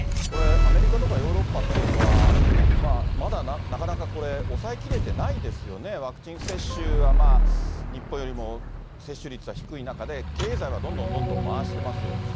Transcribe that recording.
アメリカとかヨーロッパっていうのは、まだなかなか、抑えきれてないですよね、ワクチン接種は日本よりも接種率は低い中で、経済はどんどんどんどん回してます。